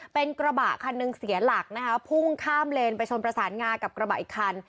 เป็นกระบะคันหนึ่งเสียหลักนะคะพุ่งข้ามเลนไปชนประสานงากับกระบะอีกคัน